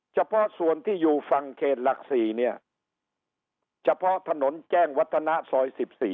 เฉพาะส่วนที่อยู่ฝั่งเขตหลัก๔เนี่ยเฉพาะถนนแจ้งวัฒนะซอย๑๔